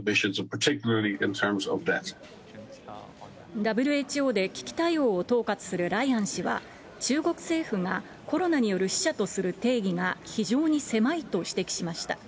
ＷＨＯで危機対応を統括するライアン氏は、中国政府がコロナによる死者とする定義が非常に狭いと指摘しました。